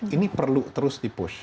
ini perlu terus di push